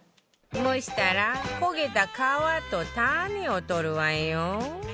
蒸したら焦げた皮と種を取るわよ